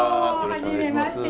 初めまして。